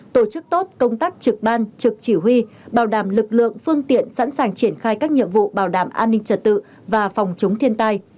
tổ chức tốt công tác trực ban trực chỉ huy bảo đảm lực lượng phương tiện sẵn sàng triển khai các nhiệm vụ bảo đảm an ninh trật tự và phòng chống thiên tai